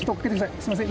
すいません。